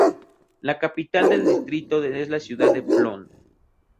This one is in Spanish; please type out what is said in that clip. La capital de distrito es la ciudad de Plön.